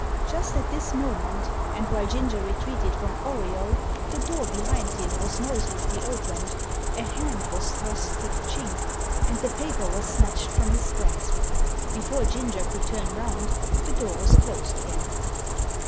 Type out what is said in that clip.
Just as this moment, and while Ginger retreated from Auriol, the door behind him was noiselessly opened a hand was thrust through the chink and the paper was snatched from his grasp. Before Ginger could turn round, the door was closed again.